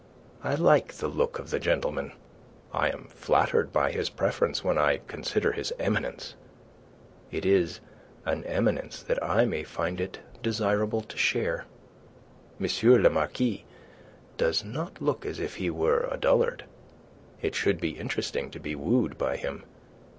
I like the look of the gentleman. I am flattered by his preference when I consider his eminence. It is an eminence that I may find it desirable to share. M. le Marquis does not look as if he were a dullard. It should be interesting to be wooed by him.